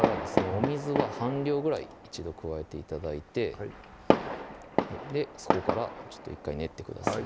お水は半量ぐらい一度加えて頂いてそこから１回練ってください